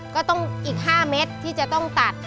ก็ต้องอีก๕เม็ดที่จะต้องตัด